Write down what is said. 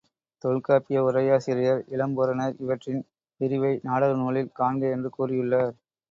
தொல்காப்பிய உரையாசிரியர் இளம்பூரணர் இவற்றின் பிரிவை நாடக நூலில் காண்க என்று கூறியுள்ளார்.